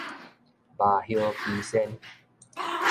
鴟鴞批身